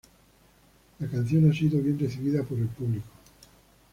La canción ha sido bien recibido por el público.